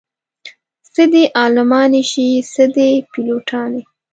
څه دې عالمانې شي څه دې پيلوټانې